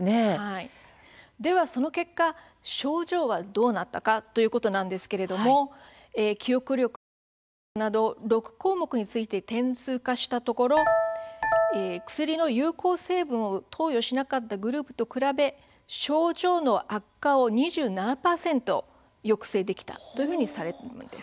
ではその結果、症状はどうなったかということなんですが記憶力や判断力など６項目について点数化したところ薬の有効成分を投与しなかったグループと比べ症状の悪化を２７％抑制できたとされています。